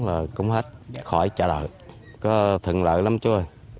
là cũng hết khỏi trả đợi có thận lợi lắm chứ